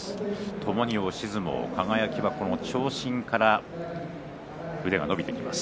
ともに押し相撲輝は長身から腕が伸びてきます。